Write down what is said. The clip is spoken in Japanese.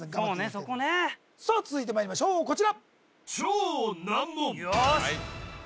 そこねさあ続いてまいりましょうこちらよーし